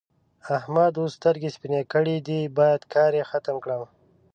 احمد اوس سترګې سپينې کړې دي؛ بايد کار يې ختم کړم.